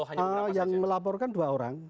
hanya melaporkan saja yang melaporkan dua orang